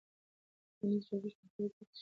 ټولنیز جوړښت د خلکو ګډ ژوند تنظیموي.